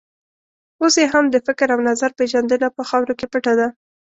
اوس یې هم د فکر او نظر پېژندنه په خاورو کې پټه ده.